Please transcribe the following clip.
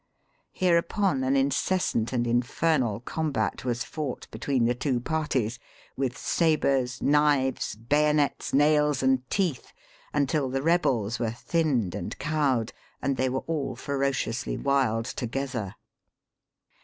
Hereupon, an incessant and infernal combat was fought between the two partie'8,with sabres, knives, bayonets.nails, and teeth, until the rebels were thinned and cowed, and they were all ferociously wild to gether.